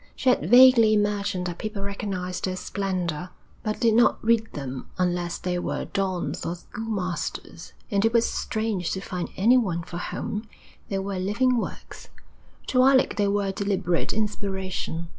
She had vaguely imagined that people recognised their splendour, but did not read them unless they were dons or schoolmasters, and it was strange to find anyone for whom they were living works. To Alec they were a deliberate inspiration.